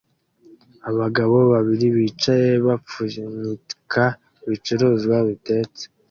Abagabo babiri bicaye bapfunyika ibicuruzwa bitetse